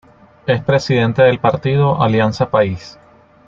Es presidente del Partido Alianza País.